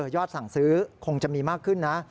สั่งซื้อคงจะมีมากขึ้นนะ